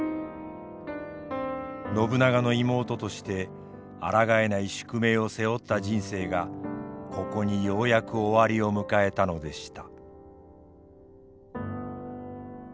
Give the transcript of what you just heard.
信長の妹としてあらがえない宿命を背負った人生がここにようやく終わりを迎えたのでした。